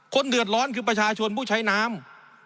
เดือดร้อนคือประชาชนผู้ใช้น้ำ